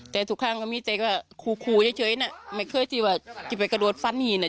แต่ทุกครั้งตรงนี้เจ๊ก็คูเฉยน่ะไม่เคยสิว่ากินไปกระโดดฟันหี่น่ะเจ๊